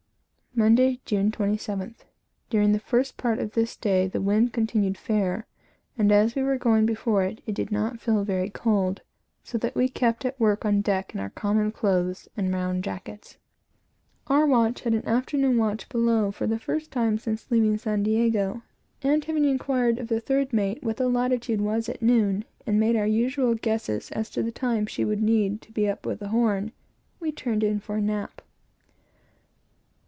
Monday, June 27th. During the first part of this day, the wind continued fair, and, as we were going before it, it did not feel very cold, so that we kept at work on deck, in our common clothes and round jackets. Our watch had an afternoon watch below, for the first time since leaving San Diego, and having inquired of the third mate what the latitude was at noon, and made our usual guesses as to the time she would need, to be up with the Horn, we turned in, for a nap.